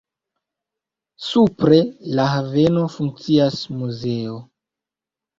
Supre la haveno funkcias muzeo.